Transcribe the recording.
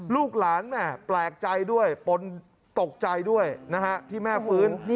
ลูกหลานแม่แปลกใจด้วยปนตกใจด้วยนะฮะที่แม่ฟื้น